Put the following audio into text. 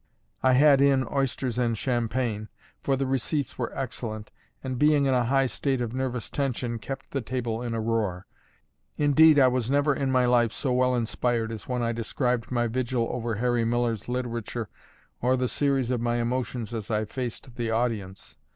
I had in oysters and champagne for the receipts were excellent and being in a high state of nervous tension, kept the table in a roar. Indeed, I was never in my life so well inspired as when I described my vigil over Harry Miller's literature or the series of my emotions as I faced the audience.